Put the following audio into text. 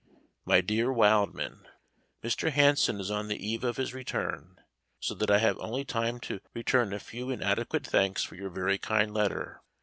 My Dear Wildman, Mr. Hanson is on the eve of his return, so that I have only time to return a few inadequate thanks for your very kind letter.